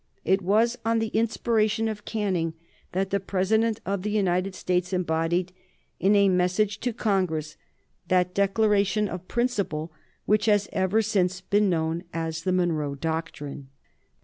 It was on the inspiration of Canning that the President of the United States embodied in a message to Congress that declaration of principle which has ever since been known as the Monroe doctrine.